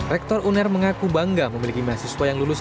rektor uner mengaku bangga memiliki mahasiswa yang lulus ke s tiga